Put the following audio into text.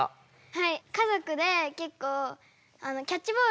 はい。